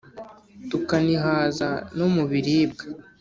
tukanihaza no mu biribwa